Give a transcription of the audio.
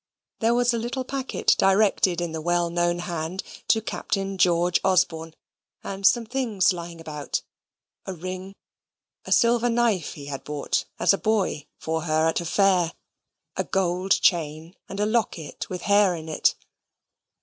There was a little packet directed in the well known hand to Captain George Osborne, and some things lying about a ring, a silver knife he had bought, as a boy, for her at a fair; a gold chain, and a locket with hair in it.